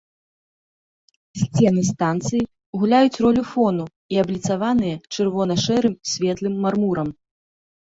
Сцены станцыі гуляюць ролю фону і абліцаваныя чырвона-шэрым светлым мармурам.